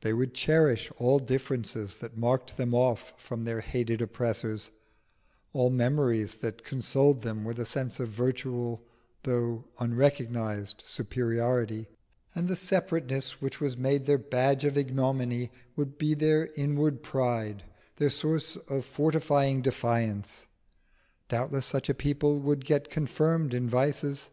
They would cherish all differences that marked them off from their hated oppressors, all memories that consoled them with a sense of virtual though unrecognised superiority; and the separateness which was made their badge of ignominy would be their inward pride, their source of fortifying defiance. Doubtless such a people would get confirmed in vices.